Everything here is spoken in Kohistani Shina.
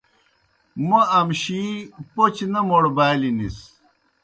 موں امشِی پوْچہ نہ موڑبالیْ نِس۔